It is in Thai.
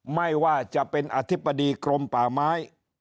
ไม่ว่าจะเป็นอธิบดีกรมป่าไม้